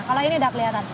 kalau ini udah kelihatan